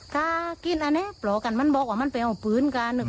ก็คิดแบบนี้เพราะพวกมันบอกว่าจะฟื้นออบปืน